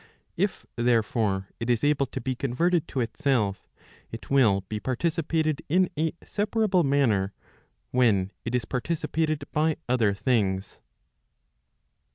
If, therefore, it is able to be converted to itself, it will be participated in a: separable manner, when it is participated by other things.